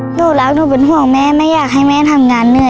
หนูรักหนูเป็นห่วงแม่ไม่อยากให้แม่ทำงานเหนื่อย